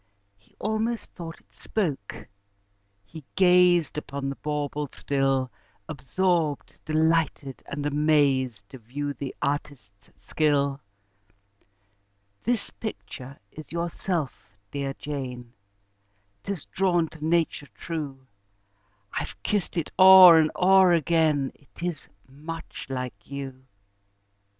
He almost thought it spoke: he gazed Upon the bauble still, Absorbed, delighted, and amazed, To view the artist's skill. "This picture is yourself, dear Jane 'Tis drawn to nature true: I've kissed it o'er and o'er again, It is much like you."